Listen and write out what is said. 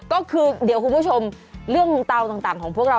ก็คือเดี๋ยวคุณผู้ชมเรื่องเตาต่างของพวกเรา